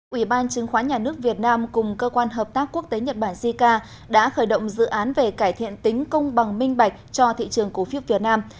ủy ban chứng khoán nhà nước việt nam cùng cơ quan hợp tác quốc tế nhật bản jica đã khởi động dự án về cải thiện tính công bằng minh bạch cho thị trường cổ phiếp việt nam